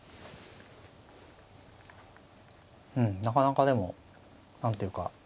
なかなかでも何ていうか。